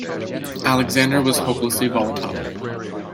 Alexander was hopelessly volatile.